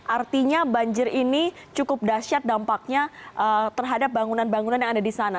artinya banjir ini cukup dahsyat dampaknya terhadap bangunan bangunan yang ada di sana